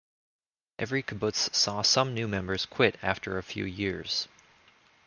Every kibbutz saw some new members quit after a few years.